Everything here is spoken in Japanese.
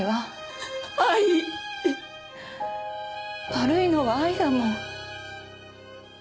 悪いのは愛だもん。